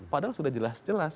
padahal sudah jelas jelas